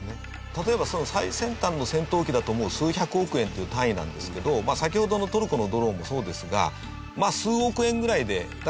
例えば最先端の戦闘機だともう数百億円という単位なんですけど先ほどのトルコのドローンもそうですが。